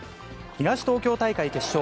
東東京大会決勝。